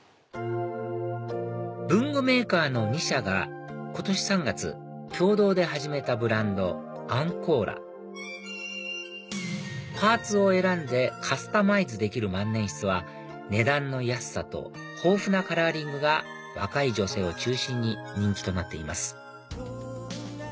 文具メーカーの２社が今年３月共同で始めたブランドａｎｃｏｒａパーツを選んでカスタマイズできる万年筆は値段の安さと豊富なカラーリングが若い女性を中心に人気となっています